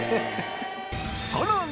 さらに！